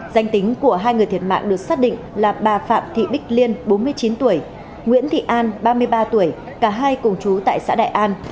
danh tính của hai người thiệt mạng được xác định là bà phạm thị bích liên bốn mươi chín tuổi nguyễn thị an ba mươi ba tuổi cả hai cùng chú tại xã đại an